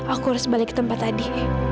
aku harus balik ke tempat tadi